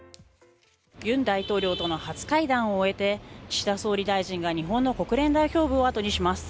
尹大統領との初会談を終えて岸田総理大臣が日本の国連代表部を後にします。